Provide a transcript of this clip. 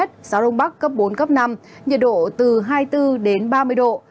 gió đông bắc cấp bốn cấp năm nhiệt độ từ hai mươi bốn đến ba mươi độ